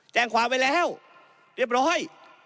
แจ้งความไว้แล้วเรียบร้อย